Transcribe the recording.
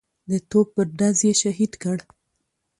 د توپ پر ډز یې شهید کړ.